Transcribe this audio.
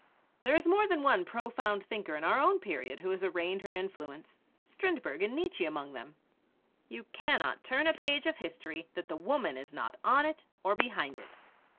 There is more than one profound thinker of our own period who has arraigned her influence Strindberg and Nietzsche among them. You cannot turn a page of history that the woman is not on it or behind it.